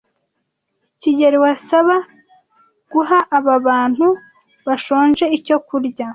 kigeli, wasaba guha aba bantu bashonje icyo kurya?